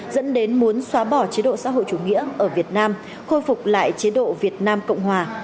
dẫn đến muốn xóa bỏ chế độ xã hội chủ nghĩa ở việt nam khôi phục lại chế độ việt nam cộng hòa